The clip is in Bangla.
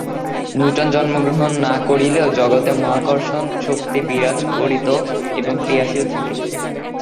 নিউটন জন্মগ্রহণ না করিলেও জগতে মাধ্যাকর্ষণ শক্তি বিরাজ করিত এবং ক্রিয়াশীল থাকিত।